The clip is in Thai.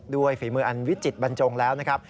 ฝีมืออันวิจิตบรรจงแล้วนะครับ